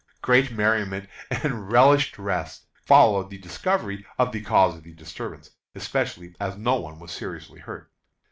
Great merriment and relished rest followed the discovery of the cause of disturbance, especially as no one was seriously hurt.